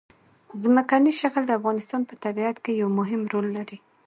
ځمکنی شکل د افغانستان په طبیعت کې یو مهم رول لري.